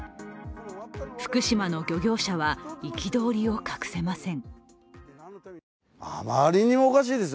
福島の漁業者は憤りを隠せません。